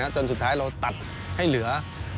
จนสุดท้ายเราตัดให้เหลือ